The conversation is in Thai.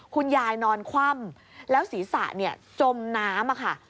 คุณยายนอนคว่ำแล้วศีรษะจมน้ำค่ะ